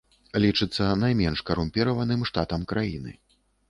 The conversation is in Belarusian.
Лічыцца найменш карумпіраваным штатам краіны.